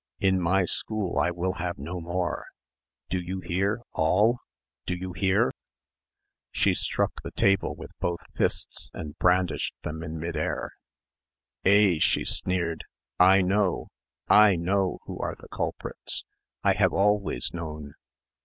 In my school I will have no more.... Do you hear, all? Do you hear?" She struck the table with both fists and brandished them in mid air. "Eh h," she sneered. "I know, I know who are the culprits. I have always known."